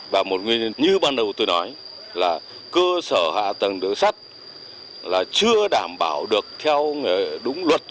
và một nguyên như ban đầu tôi nói là cơ sở hạ tầng đường sắt là chưa đảm bảo được theo đúng luật